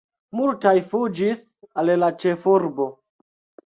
Multaj fuĝis al la ĉefurbo.